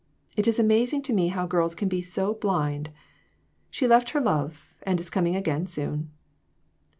It is amazing to me how girls can be so blind ! She left her love, and is coming again soon."